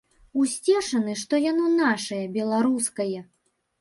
Усцешаны, што яно нашае, беларускае.